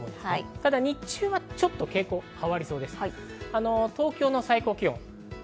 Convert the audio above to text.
ただ日中はちょっと傾向が変わりそうです。